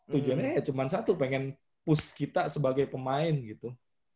tujuannya ya cuma satu pengen push kita sebagai pemain gitu